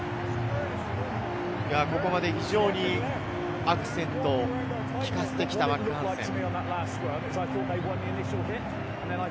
ここまで非常にアクセントを効かせてきたハンセン。